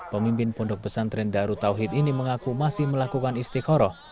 pemimpin pondok pesantren darut tauhid ini mengaku masih melakukan istiqoroh